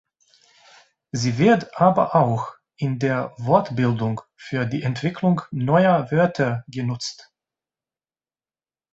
Sie wird aber auch in der Wortbildung für die Entwicklung neuer Wörter genutzt.